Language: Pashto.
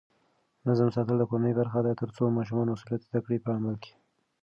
نظم ساتل د کورنۍ برخه ده ترڅو ماشومان مسؤلیت زده کړي په عمل کې.